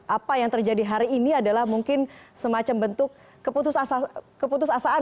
apa yang terjadi hari ini adalah mungkin semacam bentuk keputusasaan